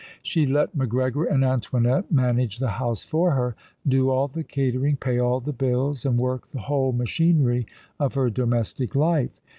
She let Macgregor and Antoinette manage the house for her, do all the catering, pay all the bills, and work the whole machinery of her domestic life.